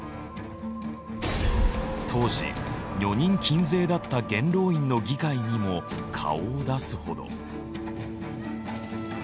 当時女人禁制だった元老院の議会にも顔を出すほど。